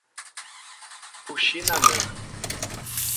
Puxinanã